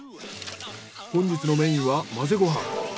本日のメインは混ぜご飯。